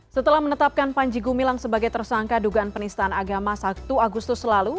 setelah menetapkan panji gumilang sebagai tersangka dugaan penistaan agama satu agustus lalu